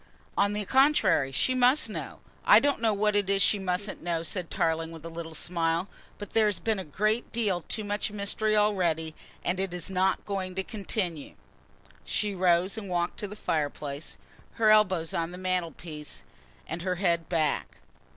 "On the contrary, she must know. I don't know what it is she mustn't know," said Tarling with a little smile, "but there has been a great deal too much mystery already, and it is not going to continue." She rose and walked to the fireplace, her elbows on the mantelpiece, and her head back.